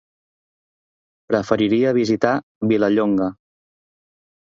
Preferiria visitar Vilallonga.